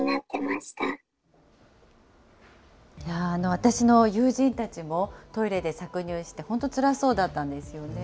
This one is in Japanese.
私の友人たちも、トイレで搾乳して、本当、つらそうだったんですよね。